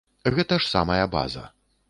Гэта ж самая база.